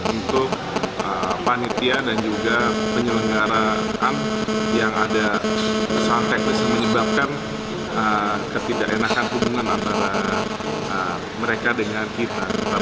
untuk panitia dan juga penyelenggaraan yang ada pesantren bisa menyebabkan ketidakenakan hubungan antara mereka dengan kita